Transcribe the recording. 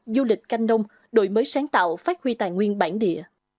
du lịch canh nông đổi mới sáng tạo phát huy tài nguyên bản địa